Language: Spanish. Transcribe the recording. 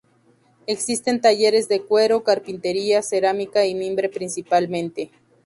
Existen talleres de cuero, carpintería, cerámica y mimbre, principalmente.